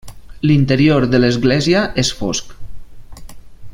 L'interior de l'església és fosc.